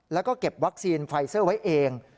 แล้วก็เก็บวัคซีนไฟเซอร์ไว้เอง